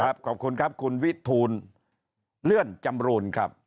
ขอบคุณครับคุณวิทูลเลื่อนจำรูนครับ